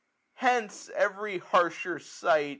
1205 Hence every harsher sight!